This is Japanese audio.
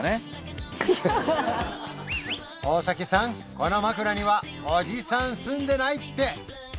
この枕にはおじさん住んでないって！